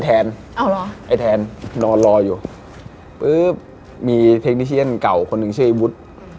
ไอ้แทนนอนรออยู่ปุ๊บมีเทคนิเชียนเก่าคนหนึ่งชื่อไอ้วุฒิ